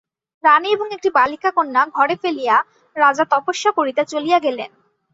রানী এবং একটি বালিকা কন্যা ঘরে ফেলিয়া রাজা তপস্যা করিতে চলিয়া গেলেন।